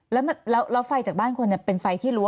แล้วไฟจากบ้านคนเป็นไฟที่รั้